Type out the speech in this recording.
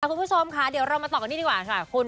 คุณผู้ชมค่ะเดี๋ยวเรามาต่อกันนี้ดีกว่าค่ะคุณ